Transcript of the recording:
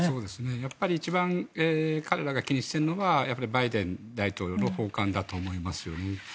やっぱり一番彼らが気にしているのはバイデン大統領の訪韓だと思いますよね。